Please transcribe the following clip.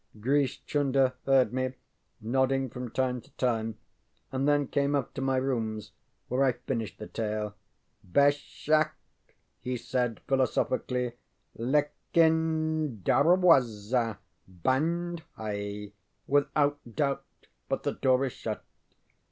Grish Chunder heard me, nodding from time to time, and then came up to my rooms where I finished the tale. ŌĆ£_Beshak_,ŌĆØ he said, philosophically. ŌĆ£_Lekin darwaza band hai._ (Without doubt, but the door is shut.)